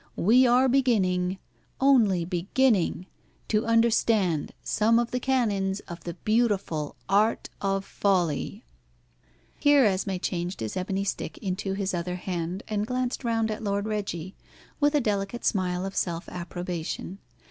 We are beginning, only beginning, to understand some of the canons of the beautiful art of folly." Here Esmé changed his ebony stick into his other hand, and glanced round at Lord Reggie, with a delicate smile of self approbation.